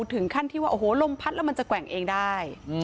ถึงขั้นที่ว่าโอ้โหลมพัดแล้วมันจะแกว่งเองได้